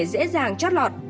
dễ dàng trót lọt